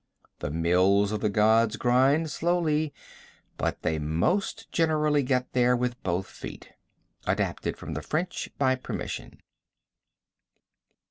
The mills of the gods grind slowly, but they most generally get there with both feet. (Adapted from the French by permission.)